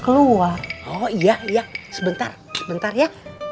harus keluar oh iya iya sebentar sebentar ya